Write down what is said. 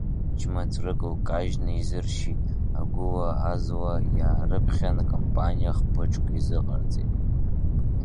Џьма ҵәрык лкажьны изыршьит, агәыла-азла иаарыԥхьан, кампаниа хпыҿк изыҟарҵеит.